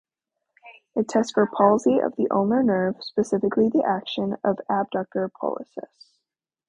It tests for palsy of the ulnar nerve, specifically, the action of adductor pollicis.